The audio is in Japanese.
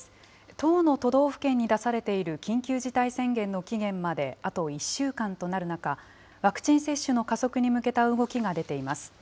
１０の都道府県に出されている緊急事態宣言の期限まであと１週間となる中、ワクチン接種の加速に向けた動きが出ています。